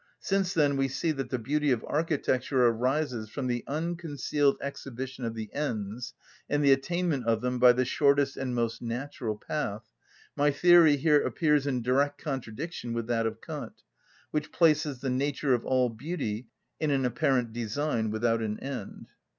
Since, then, we see that the beauty of architecture arises from the unconcealed exhibition of the ends, and the attainment of them by the shortest and most natural path, my theory here appears in direct contradiction with that of Kant, which places the nature of all beauty in an apparent design without an end.